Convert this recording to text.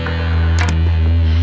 jangan lupa like